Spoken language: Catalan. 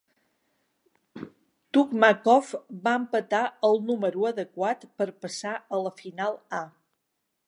Tukmakov va empatar el número adequat per passar a la final A.